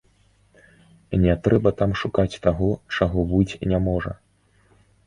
Не трэба там шукаць таго, чаго быць не можа.